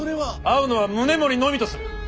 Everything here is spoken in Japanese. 会うのは宗盛のみとする。